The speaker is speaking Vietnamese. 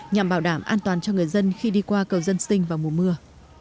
nhằm bảo đảm an toàn cho người dân khi đi qua cầu dân sinh vào mùa mưa